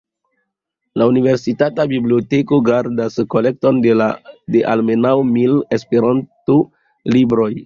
La universitata biblioteko gardas kolekton de almenaŭ mil Esperanto-libroj.